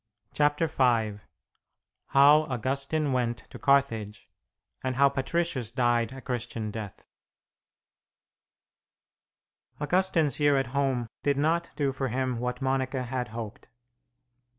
CHAPTER V HOW AUGUSTINE WENT TO CARTHAGE, AND HOW PATRICIUS DIED A CHRISTIAN DEATH Augustine's year at home did not do for him what Monica had hoped.